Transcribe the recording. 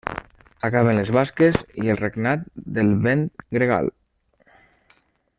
Acaben les basques i el regnat del vent gregal.